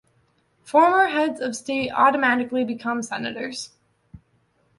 Former heads of state automatically become Senators.